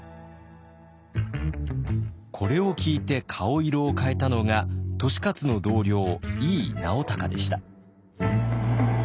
これを聞いて顔色を変えたのが利勝の同僚井伊直孝でした。